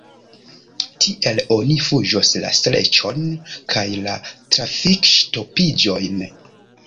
Tiel oni fuĝos la streĉon kaj la trafikŝtopiĝojn!